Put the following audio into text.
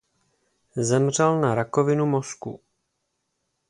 Zemřel na rakovinu mozku.